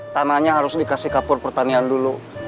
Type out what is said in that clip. tanahnya harus dikasih kapur pertanian dulu